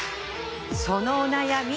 そのお悩み